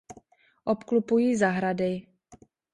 Obklopují ho zahrady.